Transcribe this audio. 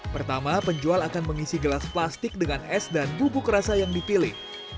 pertama penjual akan mengisi gelas plastik dengan es dan bubuk rasa yang dipilih